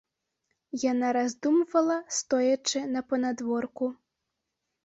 Яна раздумвала, стоячы на панадворку.